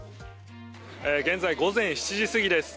現在、午前７時過ぎです。